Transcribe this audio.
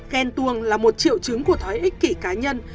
ghen tuông là một triệu chứng của thói ích kỷ cá nhân